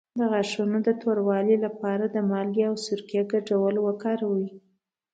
د غاښونو د توروالي لپاره د مالګې او سرکې ګډول وکاروئ